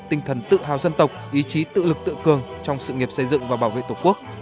tinh thần tự hào dân tộc ý chí tự lực tự cường trong sự nghiệp xây dựng và bảo vệ tổ quốc